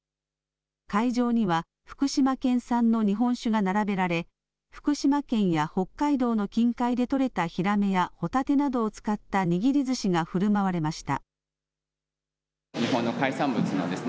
会場には福島県産の日本酒が並べられ福島県や北海道の近海で取れたひらめやほたてなどを使った握りずしがふるまわれました。